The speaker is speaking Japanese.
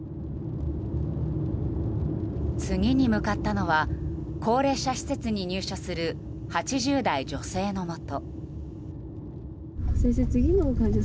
次に向かったのは高齢者施設に入所する８０代女性のもと。